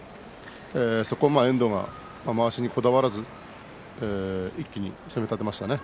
そこを遠藤がまわしにこだわらず一気に攻めていきましたね。